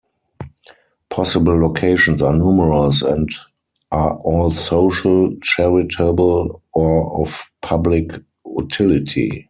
Possible locations are numerous and are all social, charitable or of public utility.